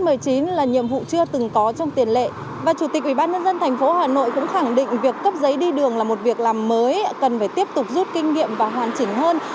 bản nhân dân thành phố hà nội cũng khẳng định việc cấp giấy đi đường là một việc làm mới cần phải tiếp tục rút kinh nghiệm và hoàn chỉnh hơn